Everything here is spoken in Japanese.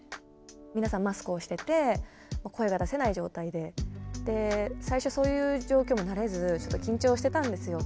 皆さんマスクをしてて声が出せない状態で最初そういう状況も慣れずちょっと緊張してたんですよ。